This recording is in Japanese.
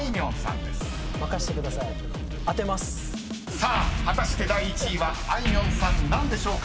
［さあ果たして第１位はあいみょんさんなんでしょうか］